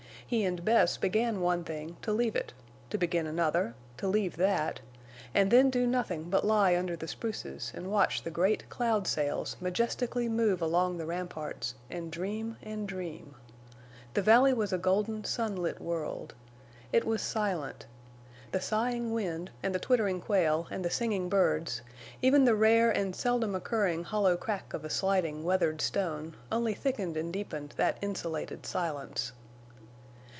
He and Bess began one thing, to leave it; to begin another, to leave that; and then do nothing but lie under the spruces and watch the great cloud sails majestically move along the ramparts, and dream and dream. The valley was a golden, sunlit world. It was silent. The sighing wind and the twittering quail and the singing birds, even the rare and seldom occurring hollow crack of a sliding weathered stone, only thickened and deepened that insulated silence.